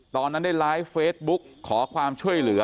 ตอนนั้นได้ไลฟ์เฟซบุ๊กขอความช่วยเหลือ